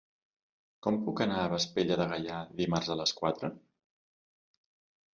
Com puc anar a Vespella de Gaià dimarts a les quatre?